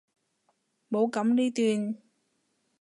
冇噉呢段！